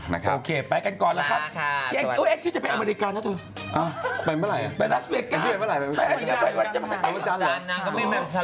ถูกต้องโอเคไปกันก่อนล่ะครับเอ่อไปเมื่อไหนฮะ